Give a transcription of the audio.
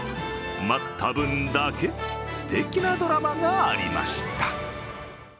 待った分だけ、すてきなドラマがありました。